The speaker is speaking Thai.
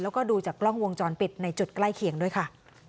แล้วก็ดูจากกล้องวงจรปิดในจุดใกล้เคียงด้วยค่ะ